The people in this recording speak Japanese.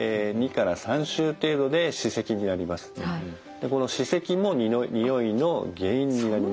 でこの歯石も臭いの原因になります。